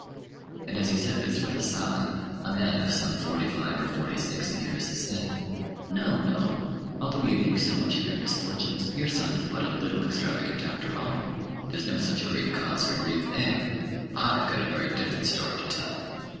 And as he said this with a sigh, a man of some forty five or forty six years said "No, no; although you make so much of your misfortunes, your son is but a little extravagant after all. There's no such great cause for grief there. I've got a very different story to tell.